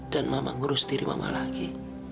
dan mama ngurus diri mama lagi